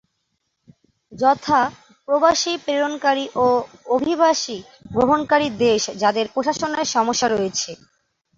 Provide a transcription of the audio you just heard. যথা, প্রবাসী-প্রেরণকারী ও অভিবাসী-গ্রহণকারী দেশ যাদের প্রশাসনের সমস্যা রয়েছে।